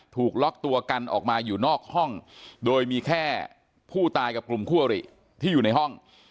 ถูกล็อกตัวกันออกมาอยู่นอกห้อง